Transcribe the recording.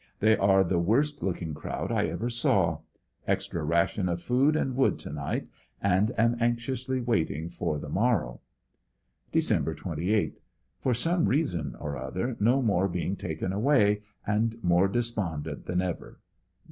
They are the worst looking crowd 1 ever saw. Extra ration of food and wood to night and am anxiously waiting for the mor row. Dec. 28. — For some reason or other no more being taken away and more despondent than ever.